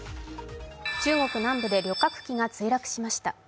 中国南部で旅客機が墜落しました。